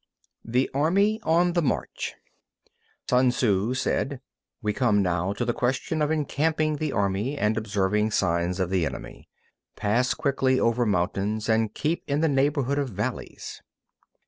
THE ARMY ON THE MARCH 1. Sun Tzŭ said: We come now to the question of encamping the army, and observing signs of the enemy. Pass quickly over mountains, and keep in the neighbourhood of valleys.